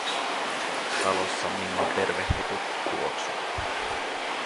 Talossa minua tervehti tuttu tuoksu.